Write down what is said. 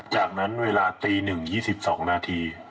จากนั้นเวลาตี๑๒๒นาที